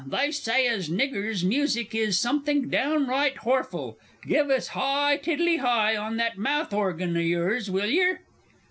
They say as niggers' music is somethink downright horful. Give us "Hi tiddly hi" on that mouth orgin o' yours, will yer?